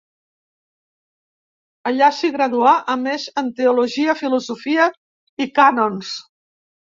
Allà s'hi graduà a més en teologia, filosofia i cànons.